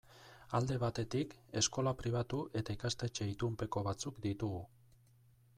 Alde batetik, eskola pribatu eta ikastetxe itunpeko batzuk ditugu.